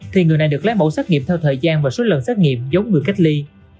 thì người này được lấy mẫu xét nghiệm theo thời gian và số lần xét nghiệm giống người cách ly